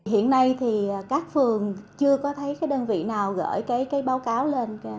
hiện nay thì các phường chưa có thấy cái đơn vị nào gửi cái báo cáo lên